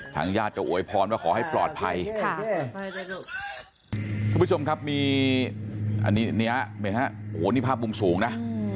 ทางญาติจะโอยพรว่าขอให้ปลอดภัยค่ะ